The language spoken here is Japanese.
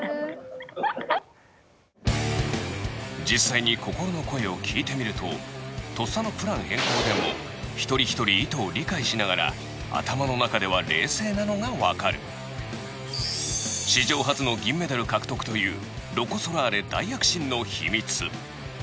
実際に心の声を聞いてみるととっさのプラン変更でも一人ひとり意図を理解しながら頭の中では冷静なのがわかる史上初の銀メダル獲得というロコ・ソラーレ大躍進の秘密